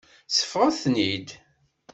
Seffɣet-ten-id.